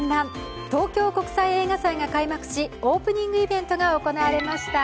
東京国際映画祭が開幕しオープニングイベントが行われました。